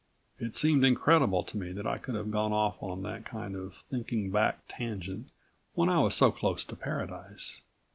It seemed incredible to me that I could have gone off on that kind of thinking back tangent when I was so close to paradise.